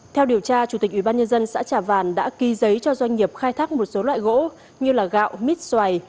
theo điều tra chủ tịch ủy ban nhân dân xã trà vàn đã ký giấy cho doanh nghiệp khai thác một số loại gỗ như gạo mít xoài